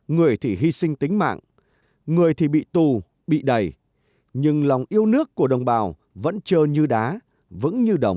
người thì hy sinh tính mạng người thì bị tù bị đầy nhưng lòng yêu nước của đồng bào vẫn trơ như đá vẫn như đồng